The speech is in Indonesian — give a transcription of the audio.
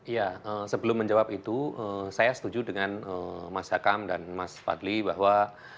ya sebelum menjawab itu saya setuju dengan mas hakam dan mas fadli bahwa